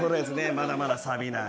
まだまださびない。